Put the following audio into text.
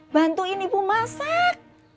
bantuin ibu masak